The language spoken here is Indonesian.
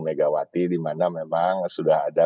megawati di mana memang sudah ada